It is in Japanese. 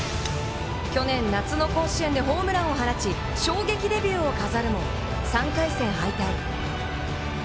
去年夏の甲子園でホームランを放ち、衝撃デビューを飾るも、３回戦敗退。